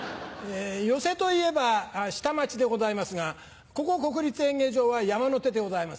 寄席といえば下町でございますがここ国立演芸場は山の手でございます。